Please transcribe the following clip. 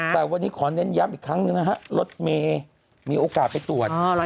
แต่วันนี้ขอเน้นย้ำอีกครั้งหนึ่งนะฮะรถเมย์มีโอกาสไปตรวจ